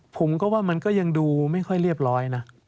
ผมก็ว่ามันก็ยังดูไม่ค่อยเรียบร้อยนะ